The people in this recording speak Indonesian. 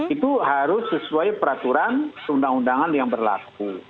itu harus sesuai peraturan undang undangan yang berlaku